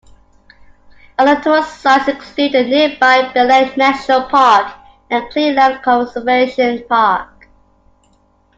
Other tourist sites include the nearby Belair National Park and Cleland Conservation Park.